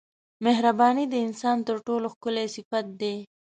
مهرباني د انسان تر ټولو ښکلی صفت دی.